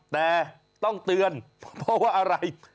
แต่ต้องเตือนเพราะว่าอะไร